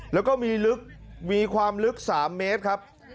แล้วก็มีลึกมีความลึก๓เมตรครับ